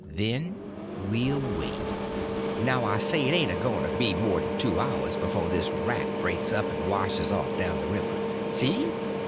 Then we'll wait. Now I say it ain't a goin' to be more'n two hours befo' this wrack breaks up and washes off down the river. See?